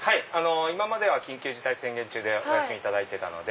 今までは緊急事態宣言中でお休み頂いてたので。